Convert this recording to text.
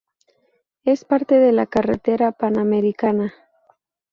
Es parte de la Carretera Panamericana.